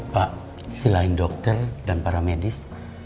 pak selain dokter dan para medis